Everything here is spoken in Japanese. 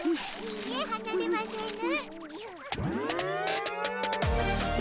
いいえはなれませぬ。